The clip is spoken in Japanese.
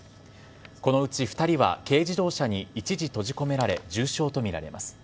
このうち２人は軽自動車に一時閉じ込められ、重傷と見られます。